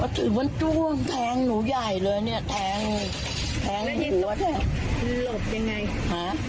ว่าถือวนจ้วงแทงหนูใหญ่เลยเนี้ยแทงแทงหัวแทงหลบยังไงฮะ